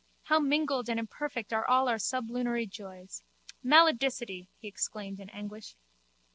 How mingled and imperfect are all our sublunary joys. Maledicity! he exclaimed in anguish.